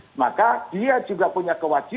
sebetulnya itu namanya murid